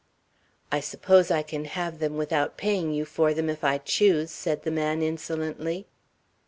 "I suppose I can have them without paying you for them, if I choose," said the man, insolently.